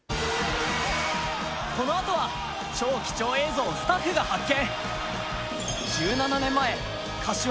このあとは、超貴重映像をスタッフが発見！